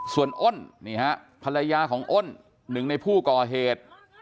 ส่วนอ้นนี่ฮะภรรยาของอ้นหนึ่งในผู้ก่อเหตุ